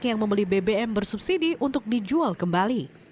yang membeli bbm bersubsidi untuk dijual kembali